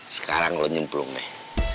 sekarang lu nyemplung deh